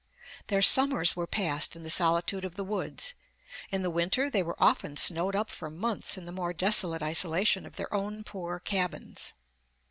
Their summers were passed in the solitude of the woods; in the winter they were often snowed up for months in the more desolate isolation of their own poor cabins.